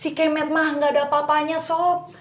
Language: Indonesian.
si kemet mah gak ada apa apanya sop